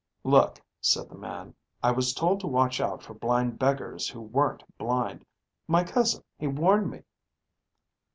"Look," said the man, "I was told to watch out for blind beggars who weren't blind. My cousin, he warned me